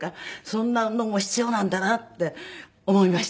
そんなのも必要なんだなって思いました。